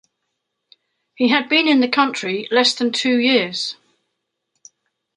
He had been in the country less than two years.